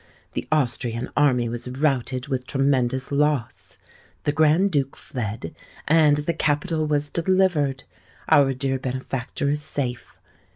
The Austrian army was routed with tremendous loss; the Grand Duke fled; and the capital was delivered. Our dear benefactor is safe.